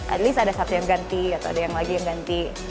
at least ada satu yang ganti atau ada yang lagi yang ganti